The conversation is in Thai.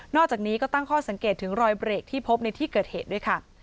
อกจากนี้ก็ตั้งข้อสังเกตถึงรอยเบรกที่พบในที่เกิดเหตุด้วยค่ะ